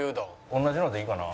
同じのでいいかな。